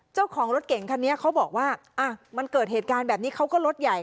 เจ้าของรถเก่งคันนี้เขาบอกว่ามันเกิดเหตุการณ์แบบนี้เขาก็รถใหญ่